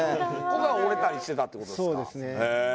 ここが折れたりしてたってことですか？